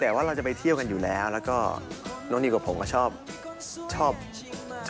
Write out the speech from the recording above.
ทุกเวลาที่อยู่กับเธอก็มีความสุขตลอด